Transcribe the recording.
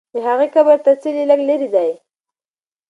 د هغې قبر تر څلي لږ لرې دی.